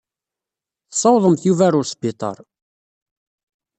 Tessawḍemt Yuba ɣer wesbiṭar.